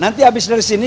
nanti habis dari sini